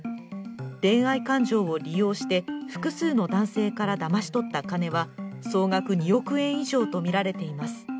恋愛感情を利用して複数の男性からだまし取った金は総額２億円以上とみられています。